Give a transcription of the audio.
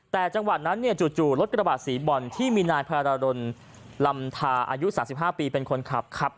แต่จังหวัดนั้นเนี่ยจู่รถกระบาดสีบ่อนที่มีนายพาราดลลำทาอายุ๓๕ปีเป็นคนขับครับ